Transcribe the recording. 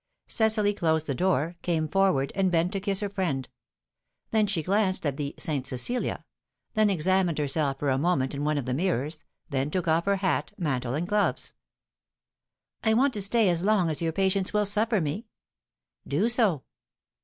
Cecily closed the door, came forward, and bent to kiss her friend. Then she glanced at the "St. Cecilia;" then examined herself for a moment in one of the mirrors; then took off her hat, mantle, and gloves. "I want to stay as long as your patience will suffer me." "Do so."